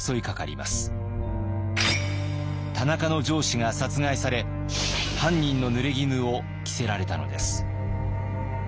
田中の上司が殺害され犯人のぬれぎぬを着せられたのです。